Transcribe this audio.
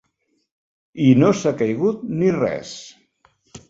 I no s'ha caigut ni res.